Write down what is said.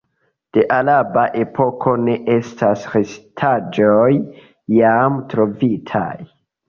De araba epoko ne estas restaĵoj jam trovitaj.